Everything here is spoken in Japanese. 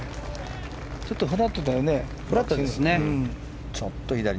ちょっとフラットだよね。